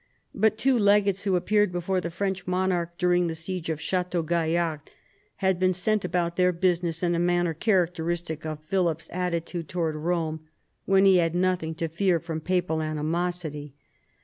But two legates who appeared before the French monarch during the siege of Chateau Gaillard had been sent about their business in a manner characteristic of Philip's attitude towards Rome when he had nothing to fear from papal animosity.